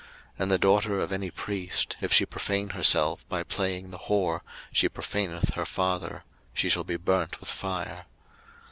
03:021:009 And the daughter of any priest, if she profane herself by playing the whore, she profaneth her father: she shall be burnt with fire.